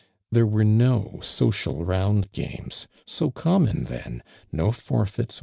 There were no social round games, so common then, no forfeits.